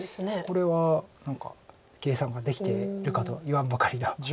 これは何か計算ができてると言わんばかりの。